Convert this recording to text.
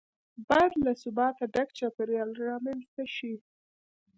باید له ثباته ډک چاپیریال رامنځته شي.